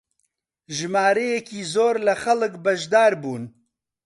ژمارەیەکی زۆر لە خەڵک بەشدار بوون